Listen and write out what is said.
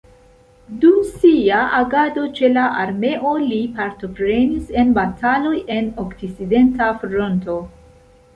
Dum sia agado ĉe la armeo li partoprenis en bataloj en okcidenta fronto.